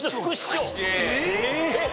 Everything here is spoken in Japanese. えっ？